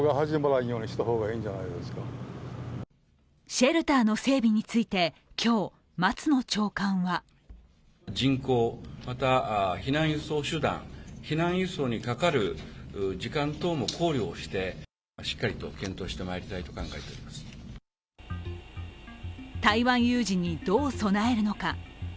シェルターの整備について今日、松野長官は台湾有事にどう備えるのか。